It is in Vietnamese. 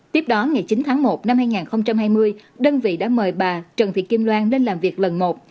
tiếp đó ngày chín tháng một năm hai nghìn hai mươi đơn vị đã mời bà trần thị kim loan lên làm việc lần một